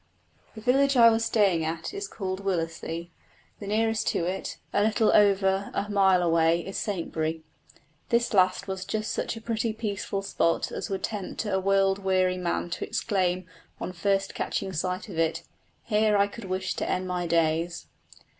The village I was staying at is called Willersey; the nearest to it, a little over a mile away, is Saintbury. This last was just such a pretty peaceful spot as would tempt a world weary man to exclaim on first catching sight of it, "Here I could wish to end my days."